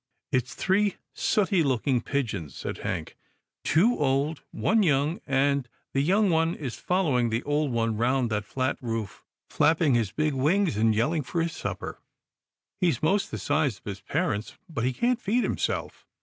" It's three sooty looking pigeons," said Hank, " two old, one young, and the young one is follow ing the old ones round that flat roof, flapping his big wings, and yelling for his supper. He's most the size of his parents, but he can't feed himself.